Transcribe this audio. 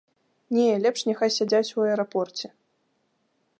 Не, лепш няхай сядзяць у аэрапорце!